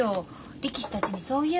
力士たちにそう言えば？